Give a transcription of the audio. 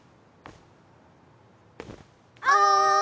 おい！